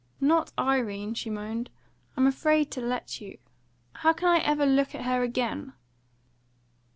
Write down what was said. "Not Irene," she moaned. "I'm afraid to let you. How can I ever look at her again?"